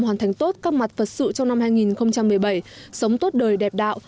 hoàn thành tốt các mặt vật sự trong năm hai nghìn một mươi bảy sống tốt đời đẹp đạo